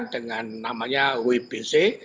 dengan namanya wbc